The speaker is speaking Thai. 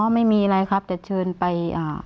อ๋อไม่มีอะไรครับแต่เชิญไป